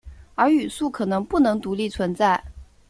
而语素可能不能独立存在。